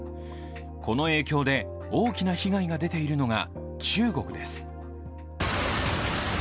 この影響で大きな被害が出ているのが中国です。